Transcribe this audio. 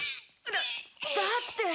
だだって。